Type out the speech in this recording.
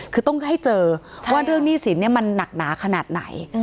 คือต้องให้เจอว่าเรื่องหนี้สินมันหนักหนาขนาดไหน